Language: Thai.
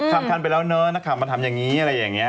ทำทันไปแล้วเนอะนักข่าวมาทำอย่างนี้อะไรอย่างนี้